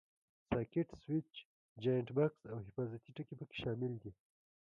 ساکټ، سویچ، جاینټ بکس او حفاظتي ټکي پکې شامل دي.